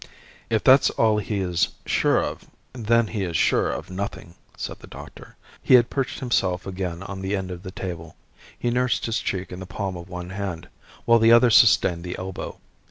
"If that's all he is sure of, then he is sure of nothing," said the doctor. He had perched himself again on the end of the table. He nursed his cheek in the palm of one hand, while the other sustained the elbow.